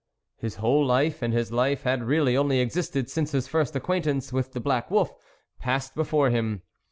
His whole life and his life had really only existed since his first acquaintance with the black wolf passed before him.